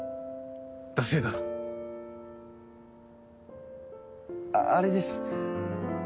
だせえだろあれです